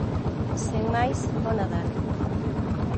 Sen máis, bo Nadal.